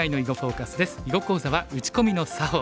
囲碁講座は「打ち込みの作法」。